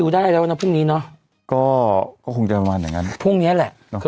ได้แล้วนะพรุ่งนี้เนอะก็คงจะประมาณอย่างนั้นพรุ่งนี้แหละ